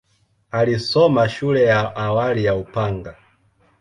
Alisoma shule ya awali ya Upanga.